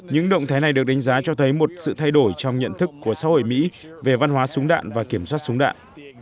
những động thái này được đánh giá cho thấy một sự thay đổi trong nhận thức của xã hội mỹ về văn hóa súng đạn và kiểm soát súng đạn